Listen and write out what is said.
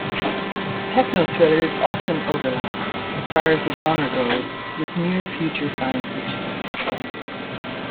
Techno-thrillers often overlap, as far as the genre goes, with near-future science fiction.